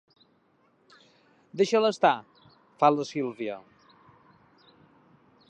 Deixa'l estar —fa la Sílvia.